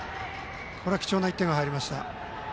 貴重な１点が入りました。